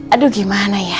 aduh gimana ya